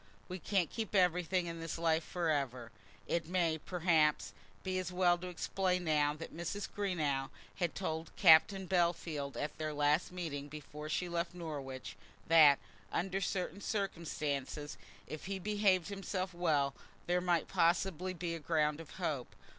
we can't keep everything in this life for ever." It may, perhaps, be as well to explain now that Mrs. Greenow had told Captain Bellfield at their last meeting before she left Norwich, that, under certain circumstances, if he behaved himself well, there might possibly be ground of hope.